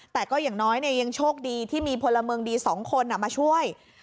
แต่ก็อย่างน้อยยังโชคดีที่มีพลเมืองดี๒คนมาช่วย